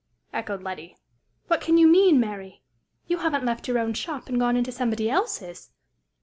echoed Letty. "What can you mean, Mary? You haven't left your own shop, and gone into somebody else's?"